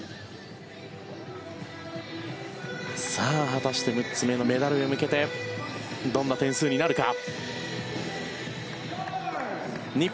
果たして６つ目のメダルへ向けてどんな点数になるか。